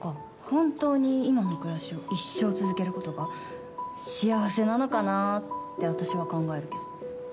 本当に今の暮らしを一生続けることが幸せなのかなって私は考える。